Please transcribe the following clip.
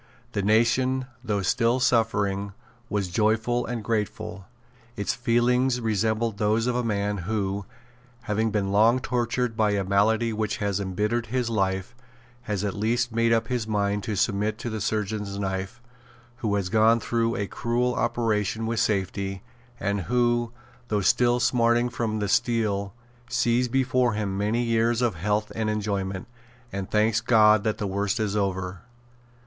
The nation, though still suffering, was joyful and grateful. Its feelings resembled those of a man who, having been long tortured by a malady which has embittered his life, has at last made up his mind to submit to the surgeon's knife, who has gone through a cruel operation with safety, and who, though still smarting from the steel, sees before him many years of health and enjoyment, and thanks God that the worst is over.